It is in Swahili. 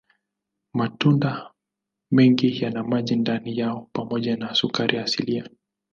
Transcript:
Matunda mengi yana maji ndani yao pamoja na sukari asilia.